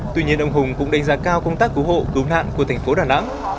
tuy nhiên ông hùng cũng đánh giá cao công tác cứu hộ cứu nạn của tp đà nẵng